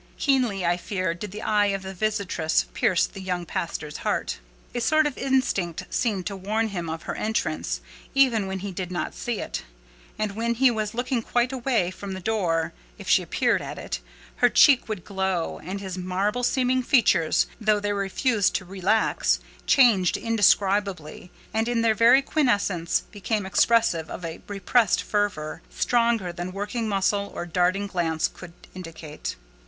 Keenly, I fear, did the eye of the visitress pierce the young pastor's heart. A sort of instinct seemed to warn him of her entrance, even when he did not see it; and when he was looking quite away from the door, if she appeared at it, his cheek would glow, and his marble seeming features, though they refused to relax, changed indescribably, and in their very quiescence became expressive of a repressed fervour, stronger than working muscle or darting glance could indicate.